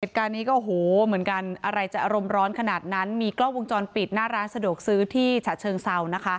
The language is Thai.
เหตุการณ์นี้ก็โอ้โหเหมือนกันอะไรจะอารมณ์ร้อนขนาดนั้นมีกล้องวงจรปิดหน้าร้านสะดวกซื้อที่ฉะเชิงเศร้านะคะ